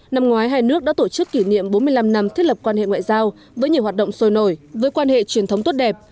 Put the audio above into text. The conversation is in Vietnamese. năm ngoái hai nước đã tổ chức kỷ niệm bốn mươi năm năm thiết lập quan hệ ngoại giao với nhiều hoạt động sôi nổi với quan hệ truyền thống tốt đẹp